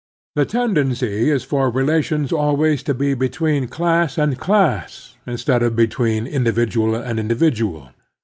The tendency is for the relations always to be between class and class instead of between individual and individual.